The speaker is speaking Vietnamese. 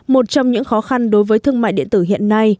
một trong những khó khăn đối với thương mại điện tử hiện nay